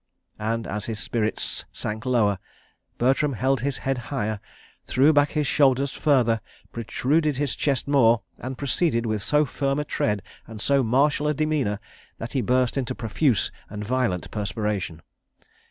And, as his spirits sank lower, Bertram held his head higher, threw back his shoulders further, protruded his chest more, and proceeded with so firm a tread, and so martial a demeanour, that he burst into profuse and violent perspiration.